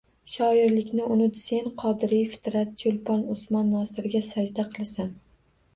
Shoirlikni unut. Sen Qodiriy, Fitrat, Cho‘lpon, Usmon Nosirga sajda qilasan.